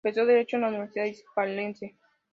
Empezó Derecho en la Universidad Hispalense.